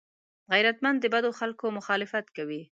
غیرتمند د بدو خلکو مخالفت کوي